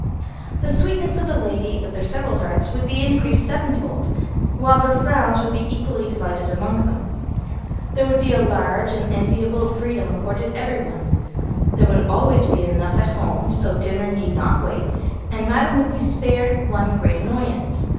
The sweetness of the lady of their several hearts would be increased seven fold, while her frowns would be equally divided among them. There would be a large and enviable freedom accorded everyone. There would always be enough at home so dinner need not wait, and Madam would be spared one great annoyance.